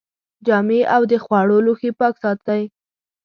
جامې او د خوړو لوښي پاک ساتئ.